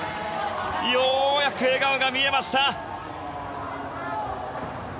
ようやく笑顔が見えました。